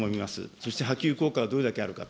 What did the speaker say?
そして波及効果はどれだけあるか。